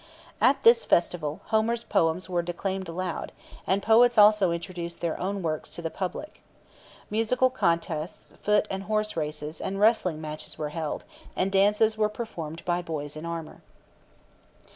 At this festival, Homer's poems were declaimed aloud, and poets also introduced their own works to the public. Musical contests, foot and horse races, and wrestling matches were held, and dances were performed by boys in armour.